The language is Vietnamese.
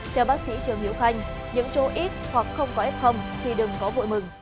theo bác sĩ trương hiếu khanh những chỗ ít hoặc không có f thì đừng có vội mừng